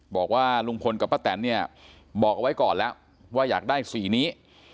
บอกว่าลุงพลกับป้าแตนเนี่ยบอกเอาไว้ก่อนแล้วว่าอยากได้สีนี้